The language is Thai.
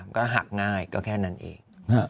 ก็หักง่ายก็แค่นั้นเอง